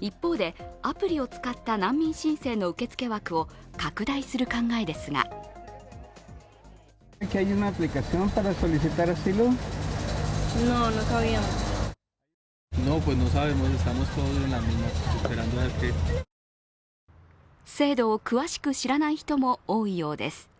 一方で、アプリを使った難民申請の受け付け枠を拡大する考えですが制度を詳しく知らない人も多いようです。